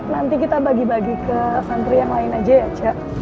nanti kita bagi bagi ke santri yang lain aja ya che